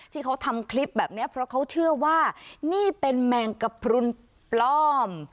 ที่เขาทำคลิปแบบนี้เพราะเขาเชื่อว่านี่เป็นแมงกระพรุนปลอม